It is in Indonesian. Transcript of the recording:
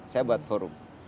saya buat forum